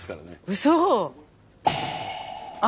うそ！